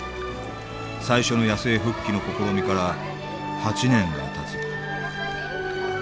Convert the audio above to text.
最初の野生復帰の試みから８年がたつ。